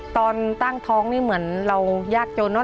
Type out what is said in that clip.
ตอนตั้งท้องนี่เหมือนเรายากจนเนอ